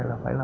là phải là